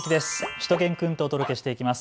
しゅと犬くんとお届けしていきます。